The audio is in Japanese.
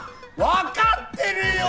分かってるよ！